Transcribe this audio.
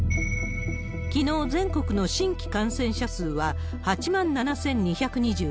きのう、全国の新規感染者数は８万７２２３人。